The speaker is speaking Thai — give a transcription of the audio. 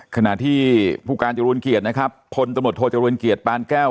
ขณะที่ผู้การจักรวรรณเกียจนะครับคนตำรวจโทรจักรวรรณเกียจปานแก้ว